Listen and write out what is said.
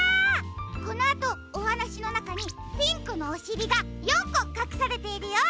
このあとおはなしのなかにピンクのおしりが４こかくされているよ。